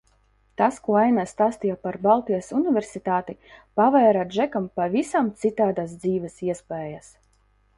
Tas, ko Aina stāstīja par Baltijas Universitāti, pavēra Džekam pavisam citādas dzīves iespējas.